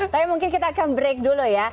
tapi mungkin kita akan break dulu ya